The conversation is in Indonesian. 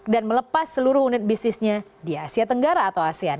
dan melepas seluruh unit bisnisnya di asia tenggara atau asean